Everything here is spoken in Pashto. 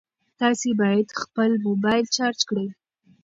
تاسي باید خپل موبایل چارج کړئ.